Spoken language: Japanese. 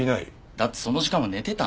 だってその時間は寝てたんで。